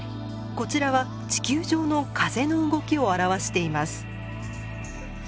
こちらは地球上の風の動きを表しています。